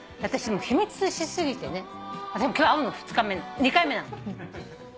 私秘密にし過ぎてね今日会うの２回目なの。